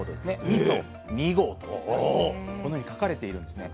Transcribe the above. みそ二合とこのように書かれているんですね。